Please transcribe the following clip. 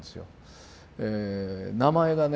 名前がね